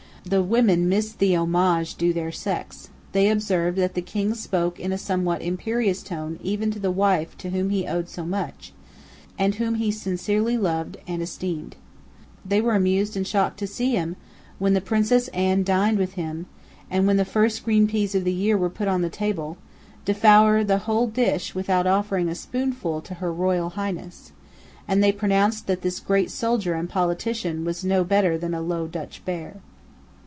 The women missed the homage due to their sex. They observed that the King spoke in a somewhat imperious tone even to the wife to whom he owed so much, and whom he sincerely loved and esteemed. They were amused and shocked to see him, when the Princess Anne dined with him, and when the first green peas of the year were put on the table, devour the whole dish without offering a spoonful to her Royal Highness; and they pronounced that this great soldier and politician was no better than a Low Dutch bear.